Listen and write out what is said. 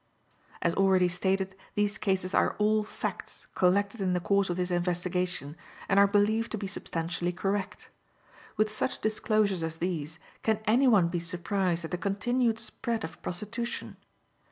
As already stated, these cases are all facts, collected in the course of this investigation, and are believed to be substantially correct. With such disclosures as these, can any one be surprised at the continued spread of prostitution?